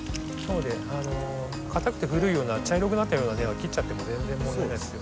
かたくて古いような茶色くなったような根は切っちゃっても全然問題ないですよ。